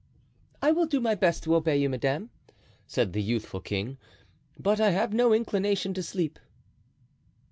"I will do my best to obey you, madame," said the youthful king, "but I have no inclination to sleep."